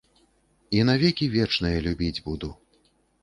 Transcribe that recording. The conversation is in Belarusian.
І на векі вечныя любіць буду.